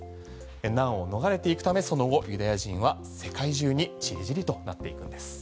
難を逃れていくためその後ユダヤ人は世界中に散り散りとなっていくんです。